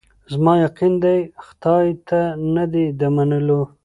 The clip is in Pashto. زما یقین دی خدای ته نه دی د منلو